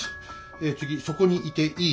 え次そこにいていい。